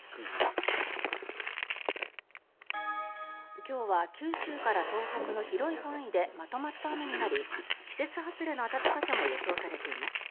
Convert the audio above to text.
今日は九州から東北の広い範囲でまとまった雨になり季節外れの暖かさも予想されています。